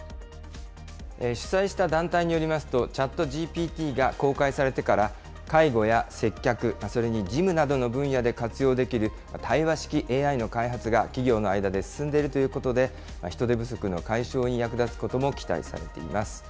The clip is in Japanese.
主催した団体によりますと、ＣｈａｔＧＰＴが公開されてから、介護や接客、それに事務などの分野で活用できる対話式ＡＩの開発が企業の間で進んでいるということで、人手不足の解消に役立つことも期待されています。